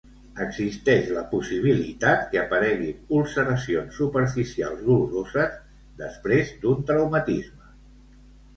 Existeix la possibilitat que apareguin ulceracions superficials doloroses després d'un traumatisme.